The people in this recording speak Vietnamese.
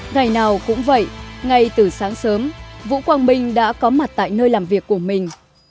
ngày nào cũng vậy ngay từ sáng sớm vũ quang minh đã có mặt tại nơi làm việc của mình